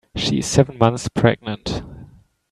She is seven months pregnant.